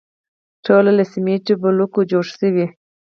ټول له سیمټي بلوکو جوړ شوي.